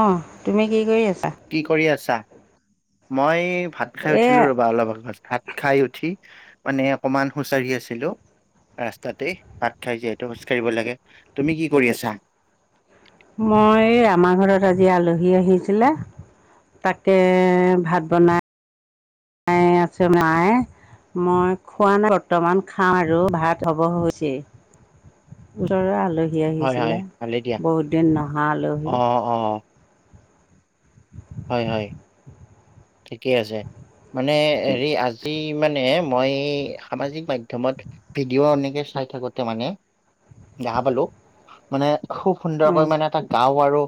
অ'! তুমি কি কৰি আছা? কি কৰি আছা? মই ভাত খাই এ উঠিলোঁ, ৰ'বা অলপ আগত। ভাত খাই উঠি, মানে অকমান খোজ কাঢ়ি আছিলোঁ। ৰাস্তাতেই, ভাত খাই যিহেতু, খোজকাঢ়িব লাগে। তুমি কি কৰি আছা? মই, আমাৰ ঘৰত আজি, আলহী আহিছিলে। তাকে, ভাত বনাই হেই আছোঁ। মায়ে? মই খোৱা নাই, বৰ্তমান। খাওঁ আৰু ভাত হ'ব হৈছে। ওচৰৰে আলহী হয় হয় আহিছিলে, ভালেই দিয়া বহুত দিন নহা অ আলহী। অ'! হয়, হয়, ঠিকে আছে। মানে, হেৰি আজি মানে, মই সামাজিক মাধ্যমত, ভিডিঅ' এনেকে চাই থাকোতে, মানে দেখা পালোঁ। মানে, সু সুন্দৰকৈ উম, মানে, এটা গাওঁ আৰু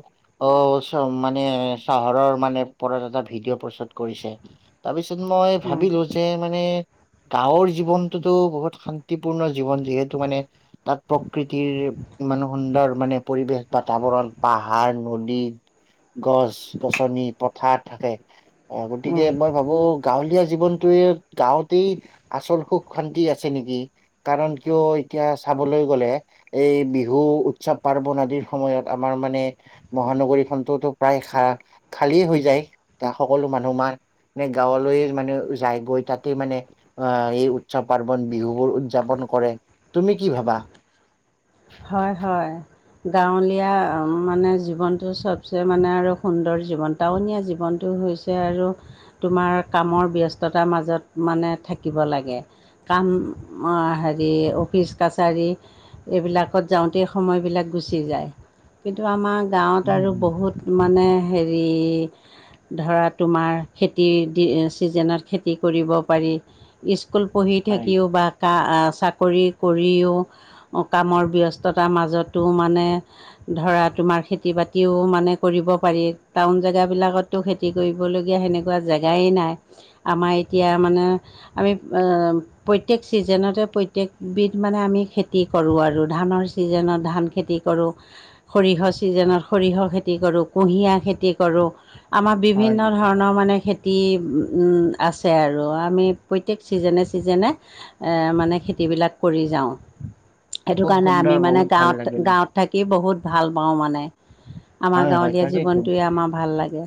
অ'! চ' মানে, চহৰৰ মানে, ওপৰত এটা ভিডিঅ প্ৰস্তুত কৰিছে। তাৰপিছত, মই উম, ভাবিলোঁ যে মানে, গাঁৱৰ জীৱনটোতো বহুত শান্তিপূৰ্ণ জীৱন। যিহেতু মানে, তাত প্ৰকৃতিৰ ইমান সুন্দৰ মানে, পৰিৱেশ বাতাবৰণ, পাহাৰ, নদী, গছ গছনি, পথাৰ থাকে। অ'! উম। গতিকে, মই ভাবোঁ! গাঁৱলীয়া জীৱনতোৱে, গাঁৱতেই আচল সুখ শান্তি আছে, নেকি! কাৰণ, কিয় এতিয়া, চাবলৈ গ'লে, এই বিহু, উৎসৱ-পাৰ্বন আদিৰ সময়ত, আমাৰ মানে, মহানগৰীখনতোতো প্ৰায়, খা খালী হৈ যায়। ত' সকলো মানুহ আমাৰ এই, গাঁৱলৈয়ে মানে, যায় গৈ। তাতে, মানে আঁ এই, উৎসৱ -পাৰ্বন, বিহুবোৰ উদযাপন কৰে। তুমি কি ভাবা? হয়, হয়। গাঁৱলীয়া মানে, জীৱনটো চবচে মানে আৰু সুন্দৰ জীৱন। টাউনীয়া জীৱনটো হৈছে, আৰু তোমাৰ, কামৰ ব্যস্ততাৰ মাজত মানে, থাকিব লাগে। কাম, হেৰি অফিচ-কাছাৰী, এইবিলাক ত যাওঁতেই, সময়বিলাক গুচি যায়। কিন্তু, আমাৰ গাঁৱত আৰু বহুত মানে, হেৰি ধৰা, তোমাৰ খেতি চিজনত, খেতি কৰিব পাৰি। স্কুল পঢ়ি, হয় থাকিও বা কা চাকৰি কৰিও, কামৰ ব্যস্ততাৰ মাজতো মানে, ধৰা, তোমাৰ খেতি-বাতিও মানে, কৰিব পাৰি, টাউন জেগাবিলাকত। তো, খেতি কৰিবলগীয়া, সেনেকুৱা জেগাই নাই। আমাৰ এতিয়া, মানে, আমি, প্ৰত্যেক ছিজনতে, প্ৰত্যেকবিধ মানে, আমি খেতি কৰোঁ আৰু। ধানৰ ছিজনত, ধান খেতি কৰোঁ। সৰিয়হ ছিজনত, সৰিয়হ খেতি কৰোঁ, কুঁহিয়াৰ খেতি কৰোঁ। আমাৰ হয় বিভিন্ন ধৰণৰ মানে, খেতি টি আছে আৰু আমি প্ৰত্যেক ছিজনে ছিজনে এ মানে খেতিবিলাক কৰি যাওঁ। সেইটো খুব কাৰণে আমি সুন্দৰ মানে বহুত ভাল গাঁৱত লাগিল গাঁৱত থাকি বহুত ভাল পাওঁ মানে আমাৰ হয় হয় গাঁৱলীয়া তাকেইতো জীৱনটোৱে আমাৰ ভাল লাগে।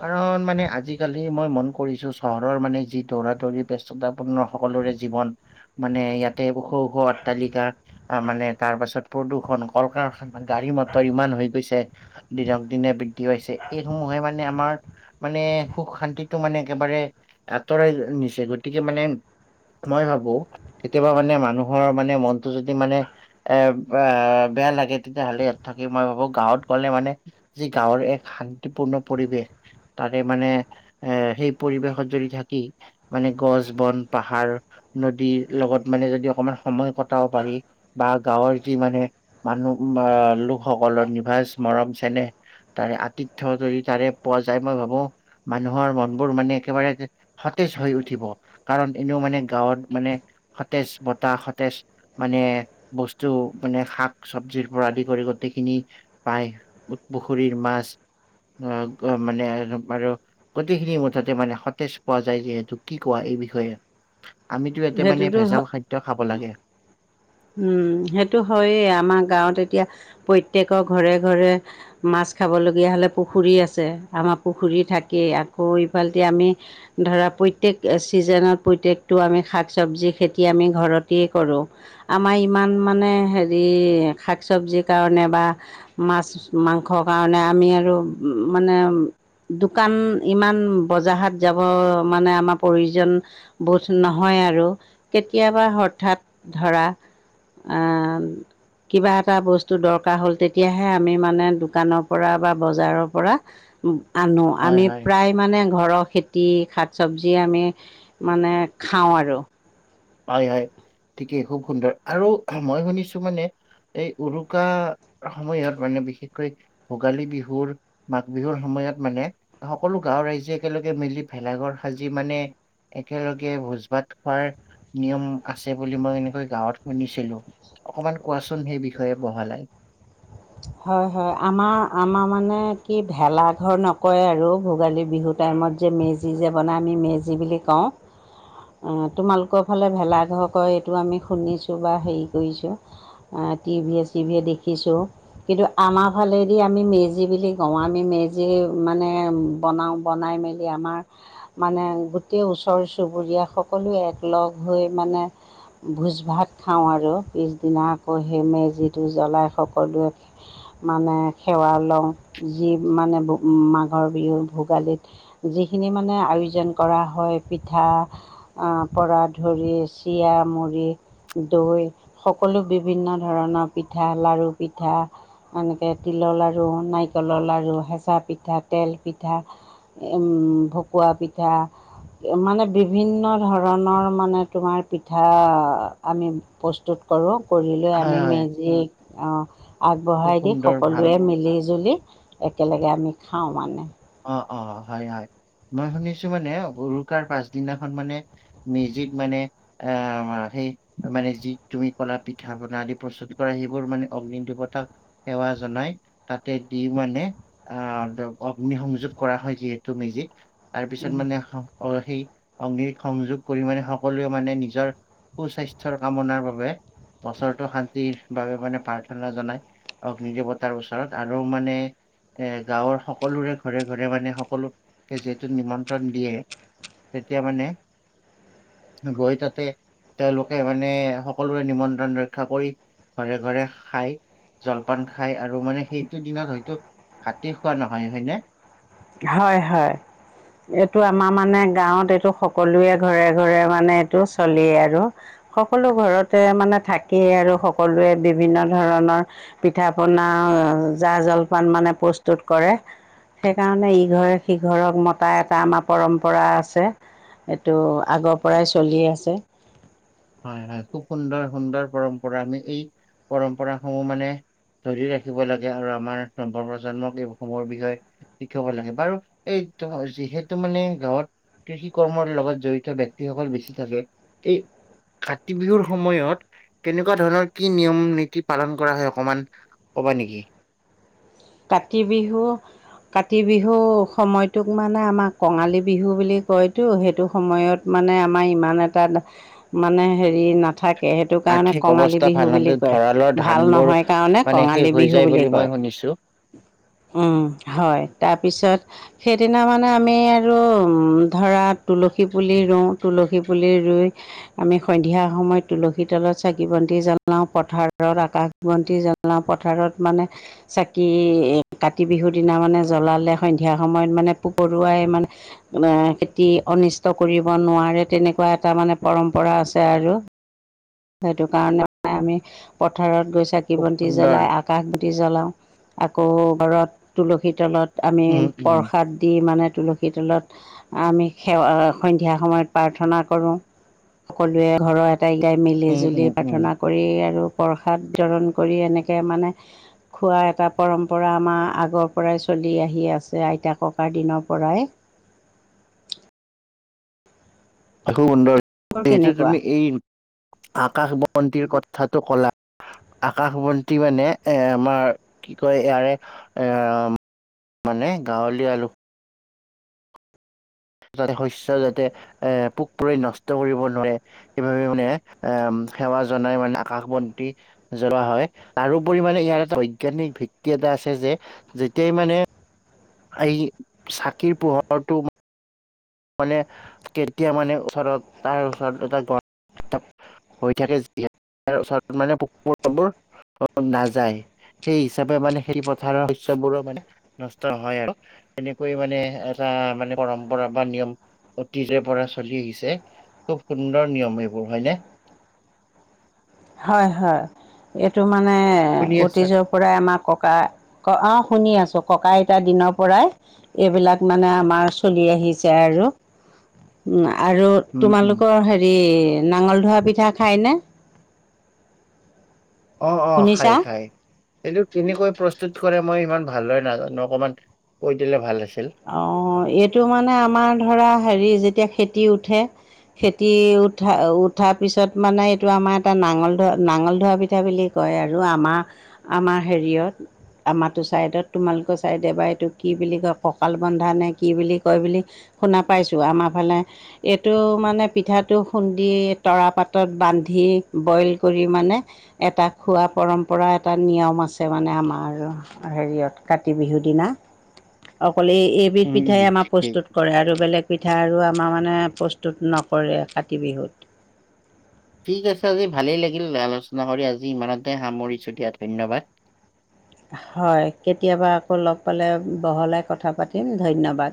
কাৰণ মানে আজিকালি মই মন কৰিছোঁ চহৰৰ মানে যি দৌৰা দৌৰি ব্য- স্ততাপূৰ্ণ সকলোৰে জীৱন মানে ইয়াতে ওখ ওখ অট্টালিকা মানে তাৰ পাছত প্ৰদূষণ কল-কাৰখানা, গাড়ী-মটৰ ইমান হৈ গৈছে দিনক দিনে বৃদ্ধি হৈছে। এইসমূহে মানে আমাৰ মানে সুখ শান্তিটো মানে একেবাৰে আঁতৰাই নিছে গতিকে মানে মই ভাবো কেতিয়াবা মানে মানুহৰ মানে মনটো যদি মানে এ বেয়া লাগে তেতিয়াহ'লে ইয়াত থাকি মই ভাবো গাঁৱত গ'লে মানে যি গাঁৱৰ এক শান্তিপূৰ্ণ পৰিৱেশ তাৰে মানে এ সেই পৰিৱেশত যদি থাকি মানে গছ বন পাহাৰ নদীৰ লগত মানে যদি অকণমান সময় কটাব পাৰি বা গাঁৱৰ যি মানে মানুহ আহ লোকসকলৰ নিভাজ মৰম চেনেহ তাৰে আতিথ্য যদি তাৰে পোৱা যায় মই ভাবো মানুহৰ মন বোৰ মানে একেবাৰে সতেজ হৈ উঠিব কাৰণ এনেও মানে গাঁৱত মানে সতেজ বতাহ সতেজ মানে বস্তু মানে শাক চব্জি পৰা আদি কৰি গোটেইখিনি পাই পুখুৰীৰ মাছ আহ মানে আৰু গোটেইখিনি মুঠতে মানে সতেজ পোৱা যায় যে যিহেতু কি কোৱা এই বিষয়ে? আমিতো এতিয়া মানে সেইটোতো ভেজাল খাদ্য খাব লাগে। উম সেইটো হৈয়েই আমাৰ গাঁৱত এতিয়া প্ৰত্যকৰে ঘৰে ঘৰে মাছ খাবলগীয়া হ'লে পুখুৰী আছে আমাৰ পুখুৰী থাকেই আকৌ ইফালে টি আমি ধৰা প্ৰত্যেক ছিজনত প্ৰত্যেকটো আমি শাক চব্জি খেতি আমি ঘৰতেই কৰো। আমাৰ ইমান মানে হেৰি শাক চব্জিৰ কাৰণে বা মাছ মাংসৰ কাৰণে আমি আৰু মানে দোকান ইমান বজাৰ হাট যাব মানে আমাৰ প্ৰয়োজন বোধ নহয় আৰু কেতিয়াবা হঠাৎ ধৰা আহ। কিবা এটা বস্তু দৰকাৰ হ'ল তেতিয়াহে আমি মানে দোকানৰ পৰা বা বজাৰৰ পৰা আনো হয় আমি হয় প্ৰায় মানে ঘৰৰ খেতি শাক চব্জি আমি মানে খাওঁ আৰু। হয় হয় ঠিকেই খুব সুন্দৰ আৰু মই শুনিছোঁ মানে এই উৰুকা সময়ত মানে বিশেষকৈ ভোগালী বিহুৰ মাঘ বিহুৰ সময়ত মানে সকলো গাঁওৰ ৰাইজে একেলগে মিলি ভেলাঘৰ সাজি মানে একেলগে ভোজ ভাত খোৱাৰ নিয়ম আছে বুলি মই এনেকৈ গাঁৱত শুনিছিলো অকমান কোৱাচোন সেই বিষয়ে বহলাই হয় হয় আমাৰ আমাৰ মানে কি ভেলাঘৰ নকয় আৰু ভোগালী বিহুত টাইমত যে মেজি যে বনায় আমি মেজি বুলি কওঁ তোমালোকৰ ফালে ভেলাঘৰ কয় এইটো আমি শুনিছোঁ বা হেৰি কৰিছো। টি ভিয়ে চিভিয়ে দেখিছোঁ। কিন্তু আমাৰ ফালেদি আমি মেজি বুলি কওঁ আমি মেজি মানে বনাওঁ বনাই মেলি আমাৰ মানে গোটেই ওচৰ চুবুৰীয়া সকলো একলগ হৈ মানে ভোজ ভাত খাওঁ আৰু পিছদিনা আকৌ সেই মেজিটো জ্বলাই সকলোৱে মানে সেৱা লওঁ যি মানে মাঘৰ বিহু ভোগালীত যিখিনি মানে আয়োজন কৰা হয়, পিঠা আহ পৰা ধৰি চিৰা মুৰি দৈ সকলো বিভিন্ন ধৰণৰ পিঠা, লাৰু পিঠা এনেকে তিলৰ লাৰু, নাৰিকলৰ লাৰু, হেঁচা পিঠা, তেল পিঠা উম ভকুৱা পিঠা, মানে বিভিন্ন ধৰণৰ মানে তোমাৰ পিঠা আমি প্ৰস্তুত কৰোঁ কৰি লৈ হয় আমি হয় মেজিক অ, খুব আগবঢ়াই দি সুন্দৰ ভাল সকলোৱে মিলি জুলি একেলগে আমি খাওঁ মানে। অ অ হয় হয় মই শুনিছো মানে উৰুকাৰ পাছদিনাখন মানে। মেজিক মানে, এ সেই মানে যি তুমি কলা পিঠা পনা আদি প্ৰস্তুত কৰা সেইবোৰ মানে অগ্নি দেৱতাক, সেৱা জনাই তাতে দি মানে আহ নি সংযোগ কৰা হয় যিহেতু মেজিক তাৰ পিছত মানে। অ সেই অগ্নিক সংযোগ কৰি মানে সকলোৱে মানে নিজৰ। সুস্বাস্থ্যৰ কামনাৰ বাবে বছৰটো শান্তিৰ বাবে মানে প্ৰাৰ্থনা জনাই। অগ্নি দেৱতাৰ ওচৰত আৰু মানে এ গাঁৱৰ সক সকলোৰে ঘৰে ঘৰে মানে সকলোকে যিহেতু নিমন্ত্ৰণ দিয়ে। তেতিয়া মানে গৈ তাতে। তেওঁলোকে মানে সকলোৰে নিমন্ত্ৰণ ৰক্ষা কৰি ঘৰে ঘৰে খাই। জলপান খাই আৰু মানে সেইটো দিনত হয়তো ভাতে খোৱা নহয় হয়নে। হয় হয়। এইটো আমাৰ মানে গাঁৱত এইটো সকলোৱে ঘৰে ঘৰে মানে এইটো চলিয়ে আৰু সকলো ঘৰতে মানে থাকেই আৰু সকলোৱে বিভিন্ন ধৰণৰ, পিঠা পনা জা জলপান মানে প্ৰস্তুত কৰে। সেইকাৰণে ইঘৰে সিঘৰক মতা এটা আমাৰ পৰম্পৰা আছে। সেইটো আগৰ পৰাই চলি আছে। হয় হয় খুব সুন্দৰ সুন্দৰ পৰম্পৰা আমি এই পৰম্পৰা সমূহ মানে। ধৰি ৰাখিব লাগে আৰু আমাৰ নৱপজন্মক এইসমূহৰ বিষয়ে। শিকাব লাগে বাৰু এই যিহেতু মানে গাঁৱত কৃষি কৰ্মৰ লগত জড়িত ব্যক্তিসকল বেছি থাকে। এই কাতি বিহুৰ সময়ত কেনেকুৱা ধৰণৰ কি নিয়ম নীতি পালন কৰা হয় অকমান ক'বা নেকি? কাতি বিহু, কাতি বিহু সময়টোক মানে আমাক কঙালী বিহু বুলি কয়তো সেইটো সময়ত, মানে আমাৰ ইমান এটা মানে হেৰি নাথাকে। সেইটো কাৰণে আৰ্থিক কঙালী অৱস্থা বিহু ভাল বুলি হওঁতে কয় ভঁৰালৰ ধান ভাল বোৰ নহয় কাৰণে মানে শেষ কঙালী হৈ বিহু যায় বুলি মই কয়। শুনিছো। উম হয় তাৰপিছত সেইদিনা মানে আমি আৰু ধৰা তুলসী পুলি ৰুওঁ তুলসী পুলি ৰুই, আমি সন্ধিয়া সময়ত তুলসী তলত চাকি বন্তি জ্বলাও পথাৰত আকাশ বন্তি জ্বলাওঁ পথাৰত মানে চা কি কাতি বিহুৰ দিনা মানে জ্বলালে সন্ধিয়া সময়ত মানে পোক পৰুৱাই মানে। খেতি অনিষ্ট কৰিব নোৱাৰে তেনেকুৱা এটা মানে পৰম্পৰা আছে আৰু সেইটো কাৰণে মানে আমি পথাৰত গৈ চাকি খুব বন্তি সুন্দৰ জ্বলাই আগ আকাশ বন্তি জ্বলাও আকৌ ঘৰত তুলসীৰ তলত, আমি উম উম প্ৰসাদ দি মানে তুলসী সি তলত আমি সেৱা সন্ধিয়া সময়ত প্ৰাৰ্থনা কৰো। সকলোৱে ঘৰৰ এটাই কেইটাই মিলি উম উম জুলি উম প্ৰাৰ্থনা কৰি আৰু প্ৰসাদ বিতৰণ কৰি এনেকে মানে খোৱা এটা পৰম্পৰা আমাৰ আগৰ পৰাই চলি আহি আছে আইতা ককাৰ দিনৰ পৰাই। খুব সুন্দৰ তোৰ যিহেতু কেনেকুৱা তুমি এই আকাশ বন্তিৰ কথাটো কলা। আকাশ বন্তি মানে এ আমাৰ কি কয় ইয়াৰে এ মানে গাঁৱলীয়া আলো যাতে শস্য যাতে এ পোক পৰি নষ্ট কৰিব নোৱাৰে। সেইবাবে মানে আহ, সেৱা জনাই মানে আকাশ বন্তী জ্বলা হয় তাৰোপৰিমমানে ইয়াৰ এটা বৈজ্ঞানিক ভিত্তি এটা আছে যে। যেতিয়াই মানে এই চাকিৰ পোহৰটো মানে কেতিয়া মানে ওচৰত তাৰ ওচৰত এটা গ হৈ থাকে যি ওচৰত মানে পুক পৰুৱাবোৰ নাযায়। [unintelligible] সেই হিচাপে মানে সেই পথাৰৰ শস্যবোৰো মানে নষ্ট হয় আৰু। তেনেকৈ মানে এটা মানে পৰম্পৰা বা নিয়ম অতীজ পৰা চলি আহিছে খুব সুন্দৰ নিয়ম এইবোৰ হয়নে। হয় - হয় এইটো মানে শুনি আছা অতীজগ পৰাই আমাৰ ককা অ, শুনি আছো ককা আইতা দিনৰ পৰাই এইবিলাক মানে আমাৰ চলি আহিছে আৰু উম, আৰু। উম উম তোমালোকৰ হেৰি নাঙল ধোৱা পিঠা খাইনে। অ', অ', শুনিছা খায় - খায়। সেইটো কেনেকৈ প্ৰস্তুত কৰে মই ইমান ভালদৰে নাজানো অকণমান কৈ দিলে ভাল আছিল? অ, এইটো মানে আমাৰ ধৰা হেৰি যেতিয়া খেতি উঠে খেতি উঠা-উঠাৰ পিছত মানে এইটো আমাৰ এটা নাঙল ধৰা - নাঙল ধৰা পিঠা বুলি কয় আৰু আমাৰ - আমাৰ হেৰিয়ত আমাৰো ছাইডত তোমালোকৰ চাই দেবা এইটো কি বুলি কউক ককাল বন্ধা নে কি বুলি কয় বুলি শুনা পাইছো আমাৰ ফালে এইটো মানে পিঠাটো খুন্দি তৰা পাতত বান্ধি বইল কৰি মানে এটা খোৱা পৰম্পৰা এটা নিয়ম আছে মানে আমাৰ হেৰিয়ত কাতি বিহুৰ দিনা অকল এই এইবিধ উম উম পিঠাই আমাৰ ঠিক প্ৰস্তুত কৰে আৰু বেলেগ পিঠা আৰু আমাৰ মানে প্ৰস্তুত নকৰে কাতি বিহুত। ঠিক আছে আজি ভালেই লাগিল আলোচনা কৰি আজি ইমানতে সামৰিছো দিয়া ধন্যবাদ। হয় কেতিয়াবা আকৌ লগ পালে বহলাই কথা পাতিম ধন্যবাদ।